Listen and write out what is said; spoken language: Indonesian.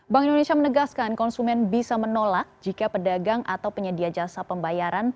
bank indonesia menegaskan konsumen bisa menolak jika pedagang atau penyedia jasa pembayaran